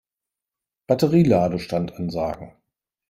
Batterie-Ladestand ansagen.